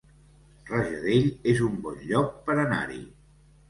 Rajadell es un bon lloc per anar-hi